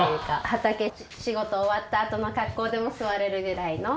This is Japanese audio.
畑仕事終わったあとの格好でも座れるぐらいの。